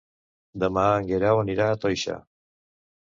Demà en Guerau anirà a Toixa.